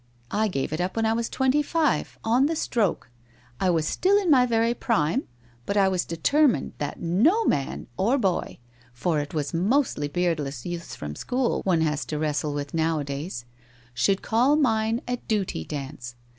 I gave it up when I was twenty five, on the stroke. I was still in my very prime, but I was de termined that no man — or boy, for it is mostly beardless youths from school one has to wrestle with nowadays — should call mine a duty dance.